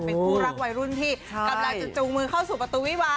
เป็นคู่รักวัยรุ่นที่กำลังจะจูงมือเข้าสู่ประตูวิวา